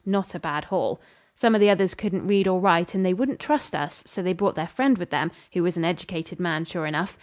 Not a bad haul. Some of the others couldn't read or write, and they wouldn't trust us, so they brought their friend with them, who was an educated man sure enough.